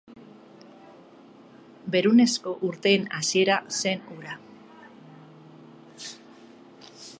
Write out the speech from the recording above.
Berunezko urteen hasiera zen hura.